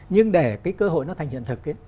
nhưng để cơ hội nó thành hiện thực